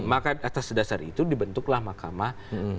maka atas dasar itu dibentuklah mahkamah